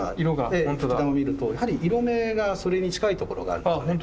吹玉を見るとやはり色めがそれに近いところがあるんですよね。